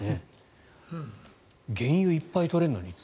原油いっぱい取れるのに。